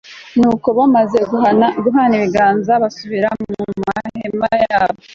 nuko bamaze guhana ibiganza, basubira mu mahema yabo